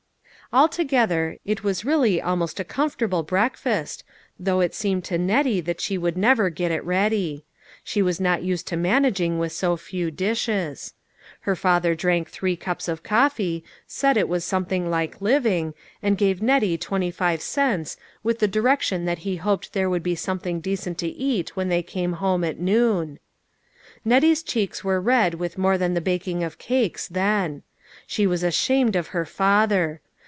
Altogether, it was really almost a comfortable breakfast, though it seemed to Nettie that she would never get it ready. She was not used to managing with so few dishes. Her father drank three cups of coffee, said it was something like living, and gave Nettie twenty five cents, with the direction that he hoped there would be something decent to eat when they came home at noon. Nettie's cheeks were red with more than the baking of cakes, then. She was ashamed of her father.